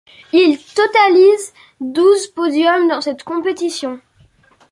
Il totalise douze podiums dans cette compétition.